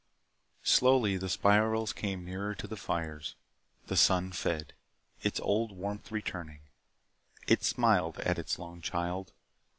Slowly the spirals came nearer to the fires. The sun fed. Its old warmth returning, it smiled at its lone child.